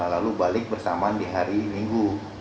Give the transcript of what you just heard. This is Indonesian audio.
lalu balik bersamaan di hari minggu